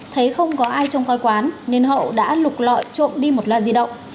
thấy không có ai trông coi quán nên hậu đã lục lọi trộm đi một loa di động